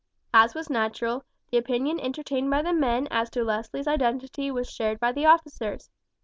As was natural, the opinion entertained by the men as to Leslie's identity was shared by the officers.